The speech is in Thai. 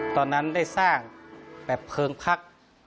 ตอนนั้นได้สร้างแบบเพลิงพัก